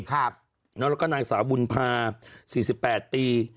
แล้วก็นางสาวบุญภา๔๘ปี